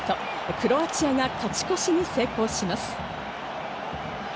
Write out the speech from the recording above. クロアチアが勝ち越しに成功します。